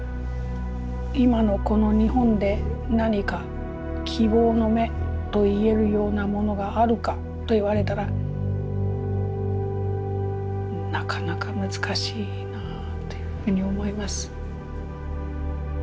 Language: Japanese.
今のこの日本で何か希望の芽といえるようなものがあるかと言われたらなかなか難しいなというふうに思います。